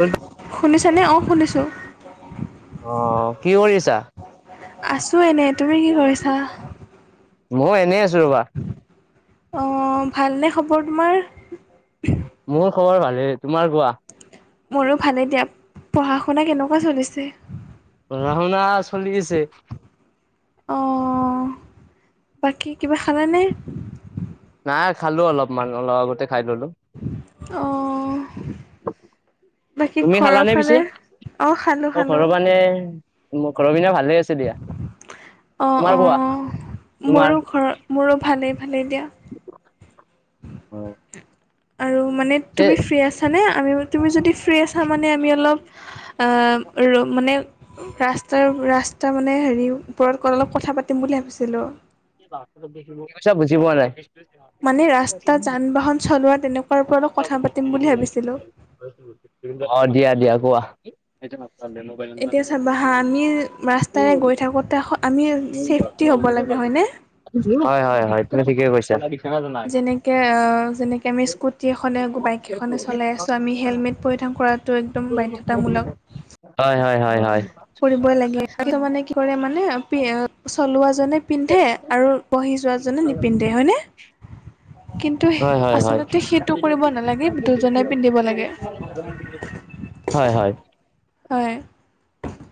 অ শুনিছা নে, অ শুনিছো। অ কি কৰিছা। আছো এনে, তুমি কি কৰিছা। ময়ো এনেই আছো ৰবা। অ', ভালনে খবৰ তোমাৰ? মোৰ খবৰ ভালেই, তোমাৰ কোৱা? মোৰো ভালে দিয়া, পঢ়া-শুনা কেনেকুৱা চলিছে? পঢ়া-শুনা চলি আছে। অ', বাকী কিবা খালানে? নাই খালো অলপমান অলপ আগতে খাই ললো। অ', বাকী তুমি ঘৰৰ খালানে পিছে? ফালে? অ খালোঁ অ', খালোঁ। ঘৰৰ মানে মোৰ ঘৰৰ পিনে ভালেই আছে দিয়া, অ অ তোমাৰ কোৱা মোৰো তোমাৰ? ঘৰৰ মোৰো ভালেই-ভালেই দিয়া। অহ, আৰু মানে তুমি ফ্ৰী আছানে? আমি তুমি যদি ফ্ৰী আছা মানে আমি অলপ অহ, মানে ৰাস্তাৰ ৰাস্তা মানে হেৰি ওপৰত অলপ কথা পাতি পাতিম বুলি ভাবিছিলোঁ। আচ্চা বুজি পোৱা নাই? মানে ৰাস্তা যান-বাহন চলোৱা তেনেকুৱাৰ ওপৰত অলপ কথা পাতিম বুলি ভাবিছিলোঁ। অ', দিয়া-দিয়া কোৱা? এতিয়া চাবা হা আমি ৰাস্তাৰে গৈ থাকোঁতে আমি চেফটি হ'ব লাগে হয়নে? হয়-হয়-হয় তুমি ঠিকে কৈছা। যেনেকে-যেনেকে আমি স্কুট টি এখনে বাইক এখনে চলাই আছোঁ আমি হেলমেট পৰিধান কৰাটো একদম বাধ্যতামূলক। হয়-হয়-হয়-হয়। কৰিবই লাগে কিছুমানে মানে কি কৰে মানে চলোৱা জনে পিন্ধে আৰু বহি যোৱাজনে নিপিন্ধে হয়নে? কিন্তু [inaudible] হয়-হয়-হয়। আচলতে সেইটো কৰিব নালাগে দুজনে পিন্ধিব লাগে হয়-হয়। হয়।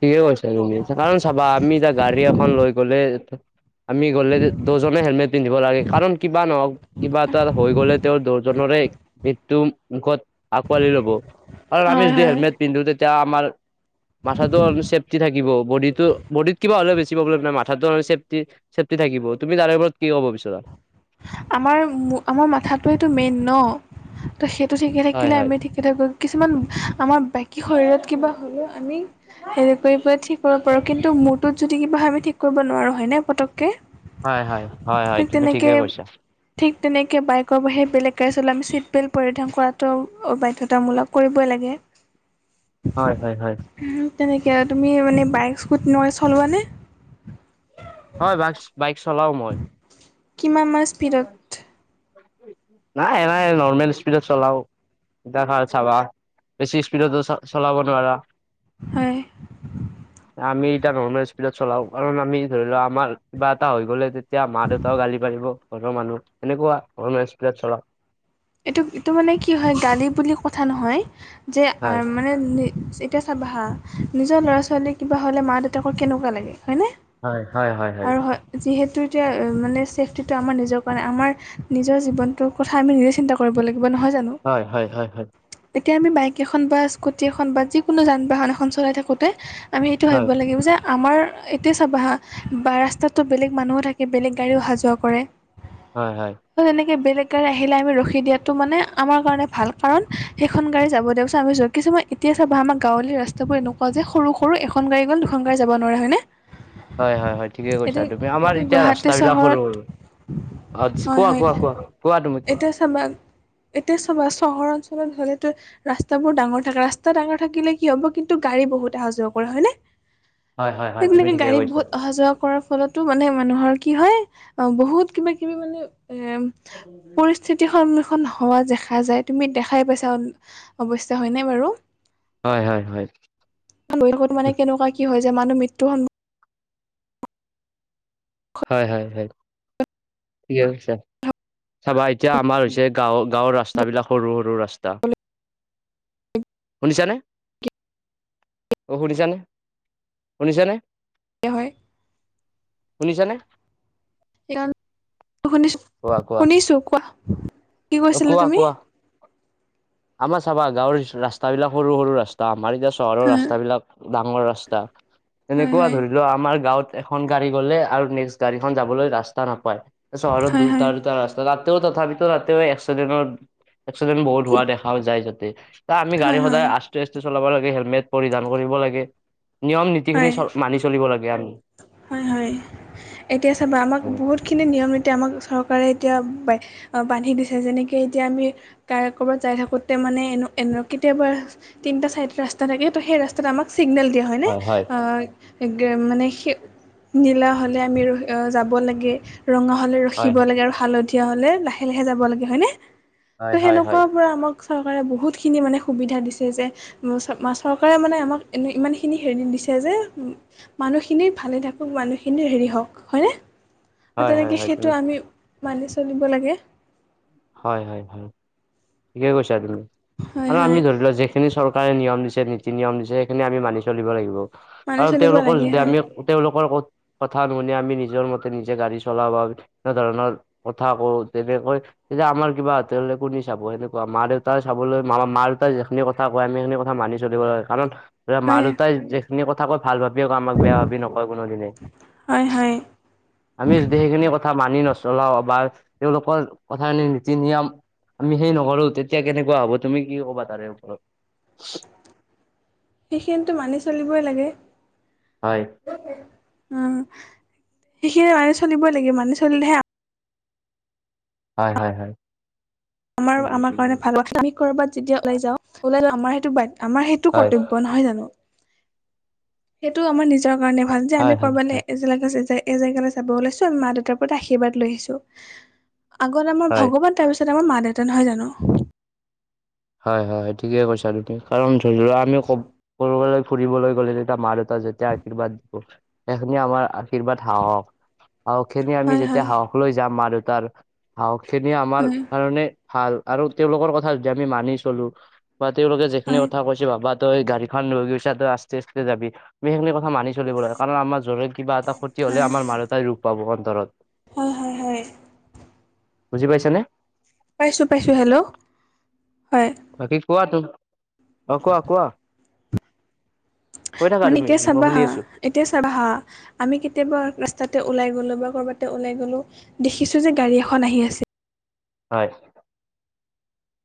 ঠিকে কৈছা তুমি কাৰণ চাবা আমি এতিয়া গাড়ী এখন লৈ গ'লে আমি গ'লে দুইজনে হেলমেট পিন্ধিব লাগে, কাৰণ কিবা নহওঁক কিবা এটা হৈ গ'লে তেওঁ দুজনেই মৃত্যু মুখত আকোঁৱালি ল'ব আৰু আমি হয় যদি হয়। হেলমেট পিন্ধো তেতিয়া আমাৰ মাথাটো আৰু চেফটি থাকিব, বডিটো-বডিত কিবা হলে, বেছি প্ৰব্লেম নাই মাথাটো আৰু চেফটি চেফটি থাকিব তুমি তাৰে ওপৰত কি কব বিচাৰা? আমাৰ-আমাৰ মাথাটোৱেইটো মেইন ন' তো সেইটো ঠিকে হয় থাকিলে হয় আমি ঠিক থিকে থাকোঁ কিছুমান আমাৰ বাকী শৰীৰত কিবা হলেও আমি হেৰি কৰি ঠিক কৰিব পাৰোঁ। কিন্তু মূৰটোত যদি কিবা হয় আমি ঠিক কৰিব নোৱাৰোঁ হয়নে পটককে? হয়-হয়-হয়-হয় তুমি ঠিকেই কৈছা। ঠিক তেনেকে বাইকৰ বাহিৰে বেলেগ গাড়ী চলালে আমি চিট বেল্ট পৰিধান কৰাটো অ', বাধ্য। বাধ্যতামূলক কৰিবই লাগে। হয়-হয়-হয়। তেনেকে আৰু তুমি মানে বাইক, স্কুটি ন চলোৱানে? হয়, বাইক-বাইক চলাওঁ মই। কিমান মান স্পিডত? নাই এ নাই নৰ্মেল স্পীডত চলাও। দেখা চাবা বেছি স্পিডটো চলাব নোৱাৰা। হয়। আমি এতিয়া নৰ্মেল স্পীডত চলাও কাৰণ আমি ধৰি লওঁ আমাৰ কিবা এটা হৈ গ'লে এতিয়া মা-দেউতাও গালি পাৰিব, ঘৰৰ মানুহ সেনেকুৱা নৰ্মেল স্পীডত চলাও। এইটো-এইটো মানে কি হয় গালি বুলি কথা নহয় যে হয় মানে এতিয়া চাবা হা নিজৰ ল'ৰা-ছোৱালীৰ কিবা হ'লে মা-দেউতাকৰ কেনেকুৱা লাগে হয়নে? হয়-হয়-হয়-হয়। আৰু হয় যিহেতু এতিয়া মানে চেফটিটো আমাৰ নিজৰ কাৰণে আমাৰ নিজৰ জীৱনটোৰ কথা আমি নিজে চিন্তা কৰিব লাগিব নহয় জানো? হয়-হয়-হয়-হয়। এতিয়া আমি বাইক এখন বা স্কুটি এখন বা যিকোনো যান-বাহন এখন চলাই থাকোঁতে আমি এইটো হয় ভাবিব লাগিব যে আমাৰ এতিয়া চাব বা ৰাস্তাতো বেলেগ মানুহো থাকে বেলেগ গাড়ীও অহা যোৱা কৰে হয়-হয়। তেনেকে বেলেগে আহিলে আমি ৰখি। ৰখি দিয়াটো মানে আমাৰ কাৰণে ভাল কাৰণ সেইখন গাড়ী যাব দিয়ক [unintelligible] আমি ৰখিছো মই এতিয়া চাবা হা আমাৰ গাঁৱলীয়া ৰাস্তাবোৰ এনেকুৱা যে সৰু-সৰু এখন গাড়ী গ'ল, দুখন গাড়ী যাব নোৱাৰা হয়নে? হয়-হয়-হয় ঠিকে কৈছা এতিয়া আৰু তুমি আমাৰ এতিয়া গুৱাহাটী ৰাস্তাবিলাক চহৰত সৰু-সৰু। আচ্ছা হয় হয় কোৱা-কোৱা-কোৱা তুমি কোৱা? এতিয়া চাবা চহৰ অঞ্চলত হ'লেতো ৰাস্তাবোৰ ডাঙৰ থাকে ৰাস্তা ডাঙৰ থাকিলে কি হ'ব কিন্তু গাড়ী বহুত অহা যোৱা কৰে হয়নে? হয় হয় হয় তুমি সেইবিলাকে ঠিকে গাড়ী কৈছা বহুত অহা যোৱা কৰাৰ ফলত টো মানে মানুহৰ কি হয় অ বহুত কিবা-কিবি মানে এ উম। এখন এখন সমাজ দেখা যায় তুমি দেখাই পাইছা অৱশ্যে হয়নে বাৰু? হয় হয় হয়। মানে কেনেকুৱা কি হয় যে মানুহ মৃত্যু হয় হয় হয়। ঠিকে কৈছা চাবা এতিয়া আমাৰ হৈছে গাঁৱৰ গাঁৱৰ ৰাস্তা বিলাক সৰু সৰু ৰাস্তা সা [unintelligible] শুনিছানে? অঁ শুনিছানে-শুনিছানে? হয়। শুনিছানে? কোৱা কোৱা শুনিছো-শুনিছো কোৱা? কি অ কৈছিলা তুমি কোৱা-কোৱা আমাৰ চাবা গাঁৱৰ ৰাস্তাবিলাক সৰু-সৰু ৰাস্তা আমাৰ এতিয়া চহৰৰ হয় ৰাস্তাবিলাক ডাঙৰ ৰাস্তা হয় এনেকুৱা ধৰি লওক আমাৰ গাঁৱত এখন গাড়ী গ'লে আৰু নেক্সট গাড়ীখন যাবলৈ ৰাস্তা নাপায়, চহৰত হয় হয় দুটা-দুটা ৰাস্তা ৰাতিও তথাপিতো ৰাতিও এক্সিডেণ্টৰ এক্সিডেন্ট বহুত হোৱা দেখাও যায় যাতে। আমি গাড়ী হয় হয় হয় সদায় আস্তে আস্তে চলাব লাগে হেলমেট পৰিধান কৰিব লাগে নিয়ম নীতিখিনি হয় চব মানি চলিব লাগে আমি। হয় হয় এতিয়া চাবা আমাক বহুত যিখিনি নিয়ম নীতি আমাক চৰকাৰে এতিয়া বান্ধি দিছে যেনকে এতিয়া আমি কাৰ কবাত যাই থাকোতে মানে এ এ কেতিয়াবা তিনটা চাইডত ৰাস্তা থাকে ত সেই ৰাস্তা তাত আমাক চিগনেল দিয়া হয়নে হয় হয় মানে নীলা হ'লে আমি ৰ যাব লাগে ৰঙা হ'লে হয় ৰখিব লাগে আৰু হয় হালধি তেতিয়া হলে লাহে লাহে যাব লাগে হয় ন হয় ত' হয় হয় সেনেকুৱা পৰা আমাক চৰকাৰে বহুতখিনি মানে সুবিধা দিছে যে চৰকাৰে মানে আমাক এনে ইমান খিনি হেৰি দিছে যে মানুহ এনে ভালে থাকক মানুহখিনি হেৰি হওক হয়নে হয় তেনেকে সেইটো হয় আমি মানি চলিব লাগে। হয় হয় হয়, ঠিকে কৈছা তুমি। হয় আৰু হয় আমি ধৰি লোৱা যে সেইখিনি চৰকাৰে নিয়ম দিছে, নীতি-নিয়ম দিছে সেইখিনি আমি মানি চলিব লাগিব। মানি আৰু চলিব তেওঁলোকৰ লাগে যদি হয় আমি তেওঁলোকৰ ক-কথা নুশুনি আমি নিজৰ মতে নিজে গাড়ী চলাও বা এনে ধৰণৰ কথা কওঁ তেনেকৈ তেতিয়া আমাৰ কিবা হাতলে কো [unintelligible] চাব সেনেকুৱা মা দেউতাই চাবলৈ মা মা দেউতাই যিখিনি কথা কয় আম সেইখিন কথা মানি চলিব লাগে কাৰণ মা হয় দেউতাই যে যিখিনি কথা কয় ভাল ভাবিয়ে কয়, আমাক বেয়া ভাবি নকয় কোনোদিনে। হয় হয় আমি যদি সেইখিনি কথা মানি নচলাও বা তেওঁলোকৰ কথাখিনি নীতি-নিয়ম আমি সেই নকৰো, তেতিয়া কেনেকুৱা হ'ব তুমি কি ক'বা তাৰে ওপৰত? সেইখিনিতো মানি চলিবই লাগে। হয়। উম। সেইখিনিয়ে মানে চলিবই লাগে, মানি চলিলেহে হয় হয় হয়। আমাৰ-আমাৰ কাৰণে ভাল হ'ব। আমি কৰ'বাত যেতিয়া ওলাই যাও, [unintelligible] আমাৰ সেইটো, আমাৰ সেইটো হয় কৰ্তব্য। ব' নহয় জানো? সেইটোও আমাৰ নিজৰ কাৰণে ভাল যে, হয় আমি হয় ক'ৰবালে হয় [unintelligible] যে এজেগালৈ যাব ওলাইছো, আমি মা-দেউতাৰ পৰা আশীৰ্বাদ লৈ আহিছো। আগত আমাৰ হয় ভগৱান তাৰ পিছত তাৰপিছত আমাৰ মা-দেউতা নহয় জানো? হয় হয় ঠিকে কৈছা তুমি। কাৰণ ধৰি লোৱা আমিও ক'ব ক'ৰবালৈ ফুৰিবলৈ গ'লে যেতিয়া মা- দেউতা যেতিয়া আশীৰ্বাদ দিব সেইখিনিয়ে আমাৰ আশীৰ্বাদ সাহস। সাহসখিনি আমি হয় যেতিয়া হয় সাহস লৈ যাম মা-দেউতাৰ, সাহসখিনি আমাৰ হয় কাৰণে ভাল। আৰু তেওঁলোকৰ কথা যদি আমি মানি চলো, বা তেওঁলোকে যিখিনি হয় কথা কৈছে ভাবা তই গাড়ীখন লৈ গৈছা, তই আস্তে আস্ত যাবি। আমি সেইখিনি কথা মানি চলিব চলিব, কাৰণ আমাৰ জুৰে কিবা এটা ক্ষতি হ'লে হয় আমাৰ মা-দেতাই দুখ পাব অন্তৰত। হয় হয় হয় বুজি পাইছা নে? পাইছোঁ পাইছোঁ, হেল্ল'। হয়। বাকি কোৱা তুম অ' কোৱা কোৱা। কৈ থাকা মানে তুমি। এতিয়া মই চাবা শুনি হা আছো। এতিয়া চাবা হা! আমি কেতিয়াবা ৰাস্তাতে ওলাই গ'লো বা কৰ'বাতে ওলাই গ'লো, দেখিছো যে গাড়ী এখন আহি আছে হয়,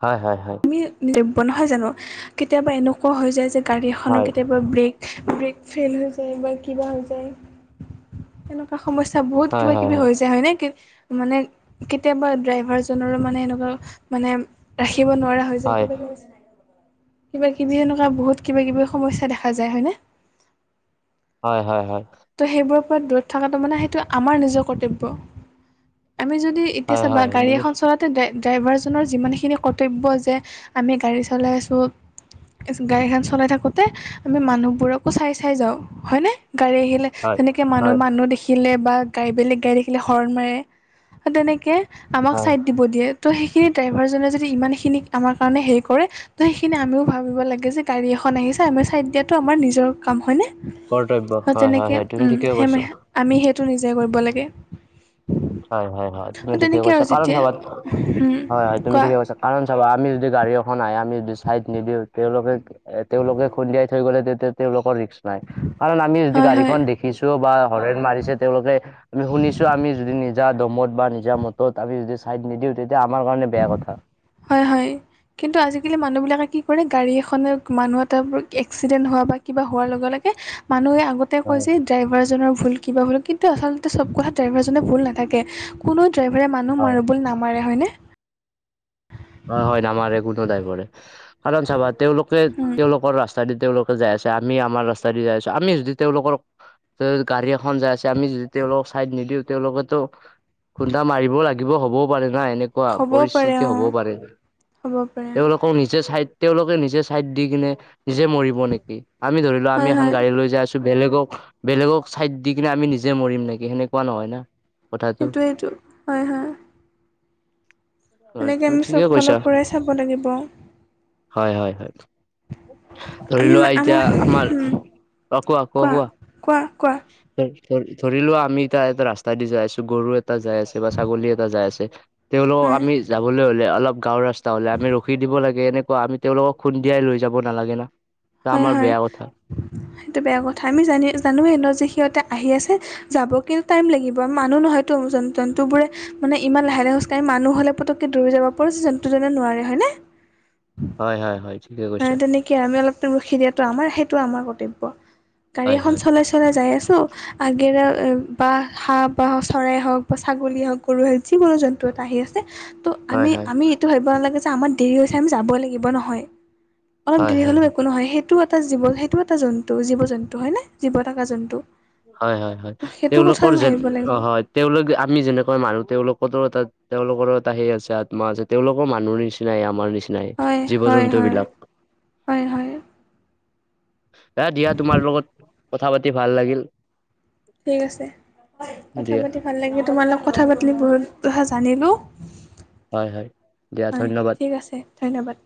হয় হয় হয়। নহয় জানো কেতিয়াবা এনেকুৱা হৈ যায় যে, গাড়ী এখনৰ হয় কেতিয়াবা ব্ৰেক ব্ৰেক ফেইল হৈ যায় বা কিবা হৈ যায়। হেনকে সমস্যা বহুত হয় হয় কিবাকিবি হৈ যায় হয় নে? কি মানে কেতিয়াবা ড্ৰাইভাৰজনৰো মানে এনেকুৱা মানে শিকিব নোৱাৰা হৈ যায় হয় কিবা বুজিছে। কিবাকিবি এনেকুৱা বহুত কিবাকিবি সমস্যা দেখা যায় হয় নে? হয় হয় হয়। ত' সেইবোৰৰ পৰা দূৰত থকাটো মানে সেইটো আমাৰ নিজৰ কৰ্তব্য। আমি যদি এতিয়া হয় চাবা হয় গাড়ী তুমি এখন চলাত ড্ৰাইভাৰজনৰ যিমানখিনি কৰ্তব্য যে, আমি গাড়ী চলাই আছোঁ! গাড়ী এখন চলাই থাকোঁতে আমি মানুহবোৰকো চাই চাই যাওঁ। হয়নে! গাড়ী আহি হয় যেনেকে হয় মানুহ-মানুহ দেখিলে বা গাড়ী বেলেগ গাড়ী দেখিলে হৰ্ণ মাৰে। তেনেকে আমাক হয় ছাইড দিব দিয়ে, ত' সেইখিনি ড্ৰাইভাৰজনে যদি ইমানখিনি আমাৰ কাৰণে হেৰি কৰে! ত' সেইখিনি আমিও ভাবিব লাগে যে গাড়ী এখন আহিছে, আমি ছাইড দিয়াতো আমাৰ নিজৰ কাম হয়নে? কৰ্তব্য হয় তেনেকে হয় হয় তুমি উম, ঠিকে সেই কৈছা আমি সেইটো নিজে কৰিব লাগে। হয় হয় হয়, তুমি ঠিকে তেনেকে আৰু কৈছা। কাৰণ যেতিয়া চাবা, উম হয় হয়, তুমি কোৱা ঠিকে কৈছা। কাৰণ চাবা আমি যদি গাড়ী এখন আহে, আমি যদি চাইড নিদিওঁ, তেওঁলোকে এ তেওঁলোকে খুন্দিয়াই থৈ গ'লে তেতিয়া তেওঁলোকৰ ৰিক্স নাই। কাৰণ আমি যদি হয় হয় গাড়ীখন দেখি খিছো বা হৰেণ মাৰিছে তেওঁলোকে আমি শুনিছো আমি যদি নিজ নিজা দমত বা নিজা মতত আমি যদি চাইড নিদিওঁ তেতিয়া আমাৰ কাৰণে বেয়া কথা। হয় হয়। কিন্তু আজিকালি মানুহবিলাকে কি কৰে, গাড়ী এখনে মানুহ এটা এক্সিডেণ্ট হোৱা বা কিবা হোৱাৰ লগে-লগে মানুহে আগত কয় হয় যে ড্ৰাইভাৰজনৰ ভুল কিবা ভুল কিন্তু আচলতে চব কথা ড্ৰাইভাৰজনে ভুল নাই। থাকে। কোনো ড্ৰাইভাৰে মানুহ হয় মাৰোবুলি নামাৰে হয়নে? হয়-হয় নামাৰে কোনো নামাৰে। কাৰণ চাবা তেওঁলোকে তেওঁলোকৰ ৰাস্তা দি তেওঁলোকে যাই আছে, আমি আমাৰ ৰাস্তা দি যাই আছো। আমি যদি তেওঁলোকক গাড়ী এখন যাই আছে আমি যদি তেওঁলোকক চাইড নিদিওঁ, তেওঁলোকেতো খুন্দা মাৰিব লাগিব হ'বও পাৰে না এনেকুৱা হ'বও পাৰে পৰিস্থিতি অঁ হ'বও পাৰে। হ'ব পাৰে তেওঁলোক নিজে চাই তেওঁলোকে নিজে চাইড দি কিনে নিজে মৰিব নেকি? আমি ধৰি হয় আমি এখন হয় গাড়ী লৈ যায় আছো। বেলেগক বেলেগক চাইড দি কিনে আমি নিজে মৰিম নেকি সেনেকুৱা নহয় না। কথাটো সেইটোৱেটো হয়-হয়। হয়। তুমি ঠিকে চব কৈছা ফালৰ পৰাই চাব লাগিব। হয়-হয়-হয়। ধৰি লোৱা এতিয়া আমাৰ অ' কোৱা-কোৱা? কোৱা-কোৱা? ধৰি-ধৰি লোৱা আমি এতিয়া এটা ৰাস্তা দি যাই আছো, গৰু এ এটা যাই আছে বা ছাগলী এটা যাই আছে, তেওঁলোকক আমি যাবলৈ হলে অলপ গাঁওৰ ৰাস্তা তাহলে আমি ৰখি দিব লাগে এনেকুৱা আমি তেওঁলোকক খুন্দিয়াই লৈ যাব নালাগে না। ত আমাৰ হয়-হয়, বেয়া কথা সেইটো বেয়া কথা। আমি জানি জানোৱে ন যে সিহঁতে আহি আছে। যাব কিন্তু টাইম লাগিব মানুহ নহয়তো জন জন্তু বোৰে মানে ইমান লাহে-লাহে খোজ কাঢ়ি মানুহ হলে পতকে দূৰি যাব পাৰো জন্তু জনে নোৱাৰে হয়নে? হয়-হয়-হয়। তেনেকে আমি অলপ ৰখি দিয়াটো আমাৰ সেইটো আমাৰ কৰ্তব্য। গাড়ী হয় এখন হয় চলাইছো চলাই যায় আছোঁ। আগেৰে বা হাঁহ বা চৰাই হওক বা ছাগলী হওক, গৰুৱে হওক, যিকোনো জন্তু ত 'আহি আছে। ত' হয় আমি হয় আমি এইটো ভাবিব নালাগে যে আমাৰ দেৰি হৈছে আমি যাব লাগিব নহয়। অলপ হয় দেৰি হয় হ'লেও একো নহয় সেইটো এটা জীৱ সেইটো এটা জন্তু জীৱ জন্তু হয় নে জীৱ থকা জন্তু। হয়-হয়-হয়। সেইটো কথা তেওঁলোকৰ আমি যে ভাবিব লাগিব হয় তেওঁলোক আমি যেনেকৈ মানুহ তেওঁলোকতো এটা তেওঁলোকৰো এটা সেই আছে আত্মা আছে। তেওঁলোকৰ মানুহৰ নিচিনাই, আমাৰ নিচিনাই জীৱ জন্তু বিলাক। হয়-হয়। দিয়া তোমাৰ লগত কথা পাতি ভাল লাগিল। ঠিক আছে কথা দিয়া পাতি ভাল লাগি তোমাৰ লগত। কথা পাতিল বহুত কথা জানিলোঁ, হয় হয় দিয়া হয় ধন্যবাদ ঠিক আছে। ধন্যবাদ।